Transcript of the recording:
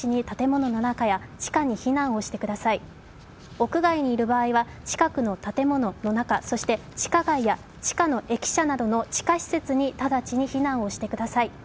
屋外にいる場合は近くの建物の中、そして地下街や地下の駅舎などの地下施設に直ちに避難をしてください。